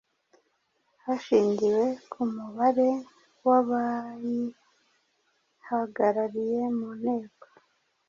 hashingiwe ku mubare w'abayihagarariye mu nteko,